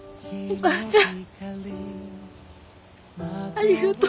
お母ちゃん。